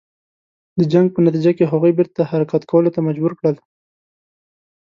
د جنګ په نتیجه کې هغوی بیرته حرکت کولو ته مجبور کړل.